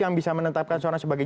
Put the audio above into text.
yang bisa menetapkan suara sebagai